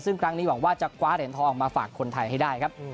ซึ่งครั้งนี้หวังว่าจะคว้าเหรียญทองมาฝากคนไทยให้ได้ครับ